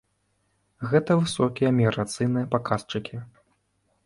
Гэта высокія міграцыйныя паказчыкі.